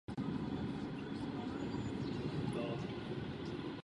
Rovněž vykonával funkci člena správní rady firmy Novák a Jahn.